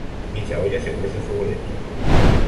En dicha olla se cuece a fuego lento.